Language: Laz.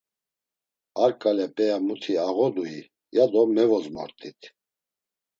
Ar ǩale p̌eya muti ağodui, ya do mevozmort̆it.